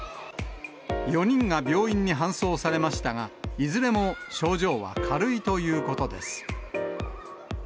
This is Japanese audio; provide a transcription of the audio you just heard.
４人が病院に搬送されましたが、いずれも症状は軽いということです。